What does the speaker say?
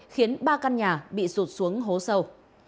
khiến ba căn nhà bị sụt xuống hố sâu